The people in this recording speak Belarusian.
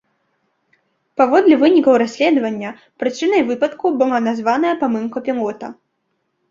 Паводле вынікаў расследавання прычынай выпадку была названая памылка пілота.